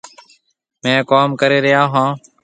ميه ڪوم ڪري ريا هون۔